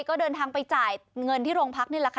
ก็เดินทางไปจ่ายเงินที่โรงพักนี่แหละค่ะ